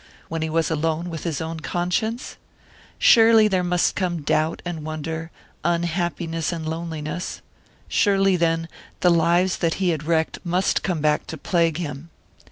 When he was alone with his own conscience? Surely there must come doubt and wonder, unhappiness and loneliness! Surely, then, the lives that he had wrecked must come back to plague him!